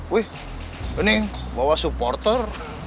wih bening bawa supporter